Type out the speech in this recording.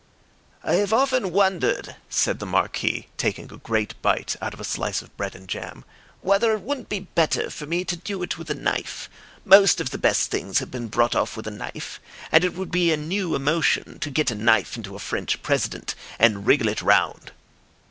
"I have often wondered," said the Marquis, taking a great bite out of a slice of bread and jam, "whether it wouldn't be better for me to do it with a knife. Most of the best things have been brought off with a knife. And it would be a new emotion to get a knife into a French President and wriggle it round."